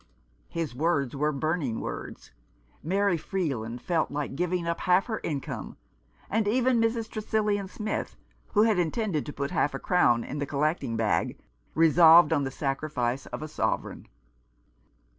His words were burning words. Mary Freeland felt like giving up half her income ; and even Mrs. Tresillian Smith, who had intended to put half a crown in the collecting bag, resolved on the sacrifice of a sovereign.